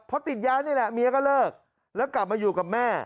เพราะติดยานี่แหละเมียก็เลิกแล้วกลับมาอยู่กับแม่